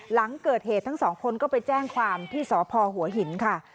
หลังเกิดเหตุทั้งสองคนก็ไปแจ้งความที่สพหัวหินค่ะ